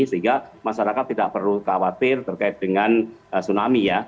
sehingga masyarakat tidak perlu khawatir terkait dengan tsunami ya